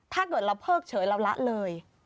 ถ้าเกิดเราเพิกเฉยเราละเลย